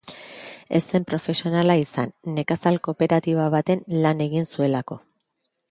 Ez zen profesionala izan, nekazal-kooperatiba batean lan egin zuelako.